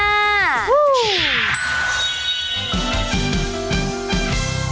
ฮู้